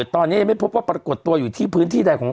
ตอนนี้ยังไม่พบว่าปรากฏตัวอยู่ที่พื้นที่ใดของ